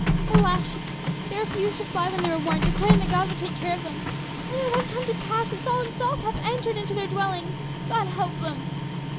"Alas," she cried. "They refused to fly when they were warned, declaring that God would take care of them. And now it hath come to pass that Saul himself hath entered into their dwelling. God help them!"